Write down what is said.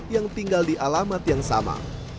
yang tinggal di alamat yang sama